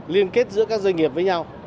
liên kết giữa các doanh nghiệp với nhau